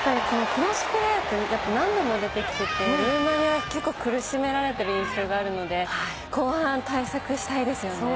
何度も出てきてて、ルーマニアは結構、苦しめられている印象があるので、後半、対策したいですよね。